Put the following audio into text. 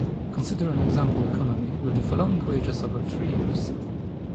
Consider an example economy with the following wages over three years.